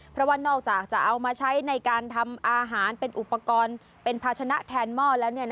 เพราะว่านอกจากจะเอามาใช้ในการทำอาหารเป็นอุปกรณ์เป็นภาชนะแทนหม้อแล้ว